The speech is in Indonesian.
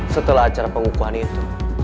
setelah acara pengukuhan itu